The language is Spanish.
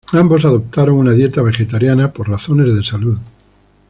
Ambos adoptaron una dieta vegetariana por razones de salud.